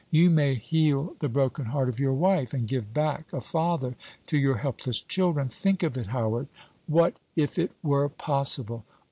You may heal the broken heart of your wife, and give back a father to your helpless children. Think of it, Howard: what if it were possible?